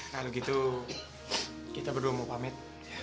kalau gitu kita berdua mau pamit